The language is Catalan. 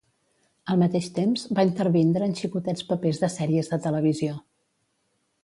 Al mateix temps, va intervindre en xicotets papers de sèries de televisió.